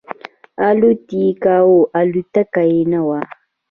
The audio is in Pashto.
الوت یې کاو الوتکه یې نه وه.